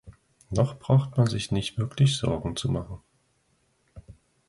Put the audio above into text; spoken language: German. Noch braucht man sich nicht wirklich Sorgen zu machen.